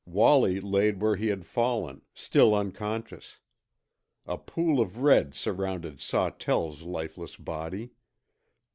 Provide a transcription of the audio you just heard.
Wallie lay where he had fallen, still unconscious. A pool of red surrounded Sawtell's lifeless body.